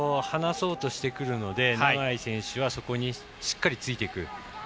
離そうとしてくるので永井選手はそこにしっかりとついていく。